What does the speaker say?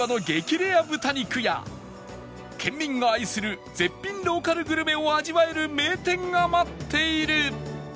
レア豚肉や県民が愛する絶品ローカルグルメを味わえる名店が待っている！